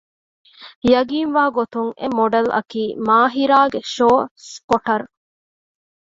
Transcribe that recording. ޔަގީންވާގޮތުން އެ މޮޑެލްއަކީ މާހިރާގެ ޝޯ ސްޕޮޓަރު